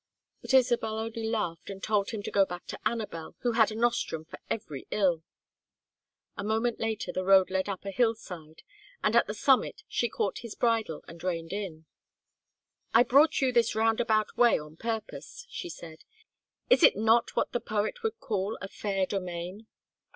But Isabel only laughed and told him to go to Anabel, who had a nostrum for every ill. A moment later the road led up a hill side, and at the summit she caught his bridle and reined in. "I brought you this roundabout way on purpose," she said. "Is it not what the poet would call a fair domain?"